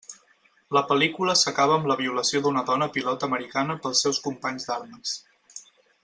La pel·lícula s'acaba amb la violació d'una dona pilot americana pels seus companys d'armes.